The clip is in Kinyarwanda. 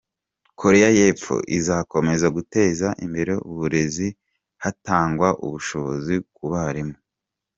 Koreya y’Epfo izakomeza guteza imbere uburezi hatangwa ubushobozi ku barimu.